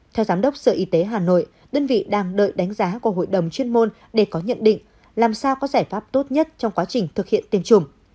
theo giám đốc sở y tế hà nội đơn vị đang đợi đánh giá của hội đồng chuyên môn để có nhận định làm sao có giải pháp tốt nhất trong quá trình thực hiện tiêm chủng